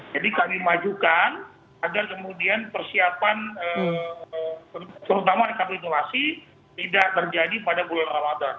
jadi kami majukan agar kemudian persiapan terutama rekapitulasi tidak terjadi pada bulan ramadan